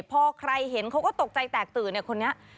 พอใครเห็นเขาก็ตกใจแตกตื่นเนี่ยคนนี้